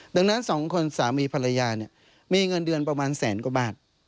ดังนั้นสองคนสามีภรรยาเนี่ยมีเงินเดือนประมาณแสนกว่าบาท